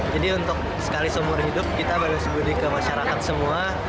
jadi untuk sekali seumur hidup kita balas budi ke masyarakat semua